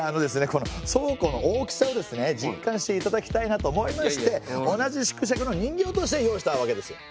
この倉庫の大きさをですね実感していただきたいなと思いまして同じ縮尺の人形として用意したわけですよ。